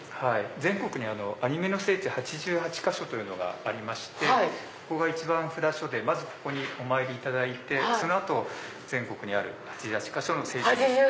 全国にアニメの聖地８８か所というのがありましてここが１番札所でまずここにお参りいただいてその後全国にある８８か所の聖地に。